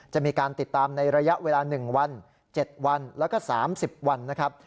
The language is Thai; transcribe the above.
จะมีการติดตามในระยะเวลา๑วัน๗วันแล้วก็๓๐วันนะครับ